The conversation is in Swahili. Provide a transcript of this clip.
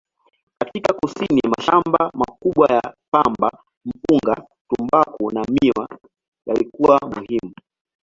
Katika kusini, mashamba makubwa ya pamba, mpunga, tumbaku na miwa yalikuwa muhimu.